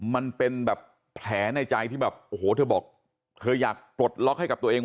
มันเป็นแบบแผลในใจที่แบบโอ้โหเธอบอกเธออยากปลดล็อกให้กับตัวเองว่า